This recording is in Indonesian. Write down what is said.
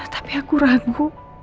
tapi aku ragu